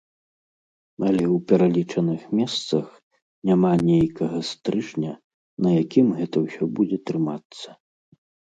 Але ў пералічаных месцах няма нейкага стрыжня, на якім гэта ўсё будзе трымацца.